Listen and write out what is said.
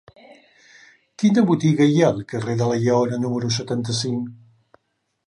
Quina botiga hi ha al carrer de la Lleona número setanta-cinc?